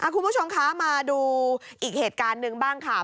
คุณผู้ชมคะมาดูอีกเหตุการณ์หนึ่งบ้างค่ะ